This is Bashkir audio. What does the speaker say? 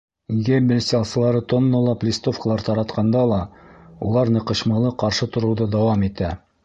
Геббельс ялсылары тонналап листовкалар таратҡанда ла, улар ныҡышмалы ҡаршы тороуҙы дауам итә.